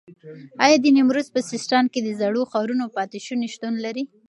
ایا د نیمروز په سیستان کې د زړو ښارونو پاتې شونې شتون لري؟